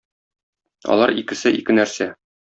Алар икесе ике нәрсә.